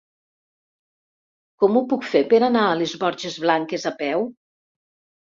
Com ho puc fer per anar a les Borges Blanques a peu?